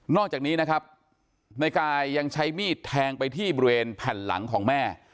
อกจากนี้นะครับในกายยังใช้มีดแทงไปที่บริเวณแผ่นหลังของแม่